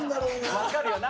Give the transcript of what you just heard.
分かるよな。